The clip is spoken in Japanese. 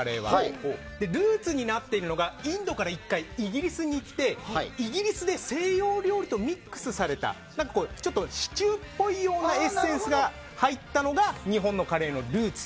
ルーツになっているのがインドから１回イギリスに行ってイギリスで西洋料理とミックスされたシチューっぽいエッセンスが入ったのが日本のカレーのルーツ。